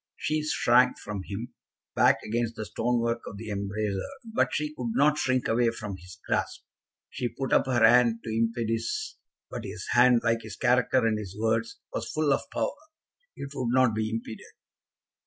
She shrank from him, back against the stonework of the embrasure, but she could not shrink away from his grasp. She put up her hand to impede his, but his hand, like his character and his words, was full of power. It would not be impeded.